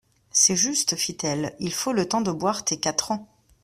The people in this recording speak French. C'est juste, fit-elle, il faut le temps de boire tes quatre ans.